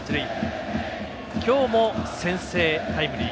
今日も先制タイムリー。